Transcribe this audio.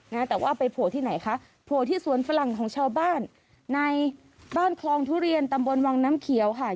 นะแต่ว่าไปโผล่ที่ไหนคะโผล่ที่สวนฝรั่งของชาวบ้านในบ้านคลองทุเรียนตำบลวังน้ำเขียวค่ะ